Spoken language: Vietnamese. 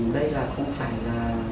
đây là không phải là